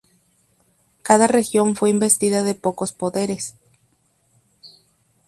Cada región fue investida de pocos poderes.